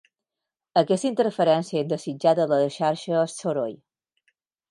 Aquesta interferència indesitjada de la xarxa és soroll.